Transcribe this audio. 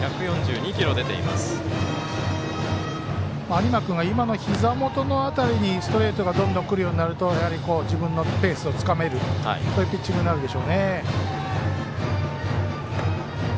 有馬君が今のひざ元の辺りにストレートがどんどんくるようになると自分のペースをつかめるピッチングになるでしょうね。